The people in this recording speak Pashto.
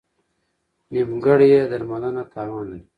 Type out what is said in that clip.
نیمګړې درملنه تاوان لري.